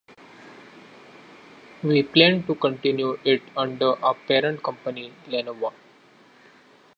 We plan to continue it under our parent company, Lenovo.